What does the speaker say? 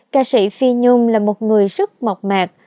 ca sĩ phi nhung là một người rất mộc mạc